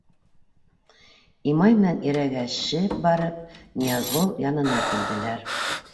Имай менән ирәгешеп барып Ныязғол янына килделәр.